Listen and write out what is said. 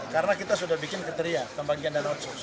karena kita sudah bikin kriteria pembagian dana otsus